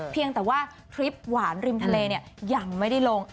เพราะว่าทริปหวานริมทะเลเนี่ยยังไม่ได้ลง